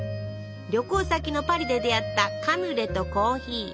旅行先のパリで出会ったカヌレとコーヒー。